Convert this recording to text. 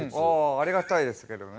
ありがたいですけどね。